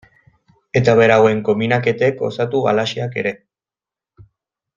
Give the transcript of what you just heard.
Eta berauen konbinaketek osatu galaxiak ere.